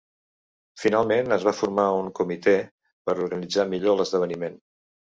Finalment, es va formar un comitè per organitzar millor l"esdeveniment.